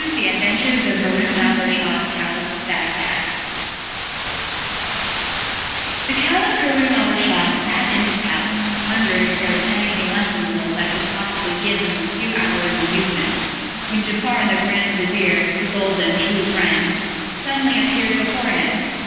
The Adventures of Haroun al Raschid, Caliph of Bagdad The Caliph Haroun al Raschid sat in his palace, wondering if there was anything left in the world that could possibly give him a few hours' amusement, when Giafar the grand vizir, his old and tried friend, suddenly appeared before him.